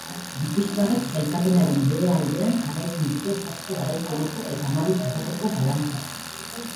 Gipuzkoarrek sailkapenaren behealdean jarraitzen dute zazpi garaipeneko eta hamabi porroteko balantzearekin.